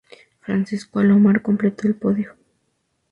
Francisco Alomar completó el podio.